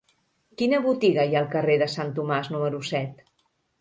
Quina botiga hi ha al carrer de Sant Tomàs número set?